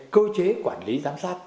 cơ chế quản lý giám sát